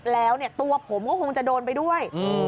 แล้วตัวผมก็คงจะโดนไปด้วย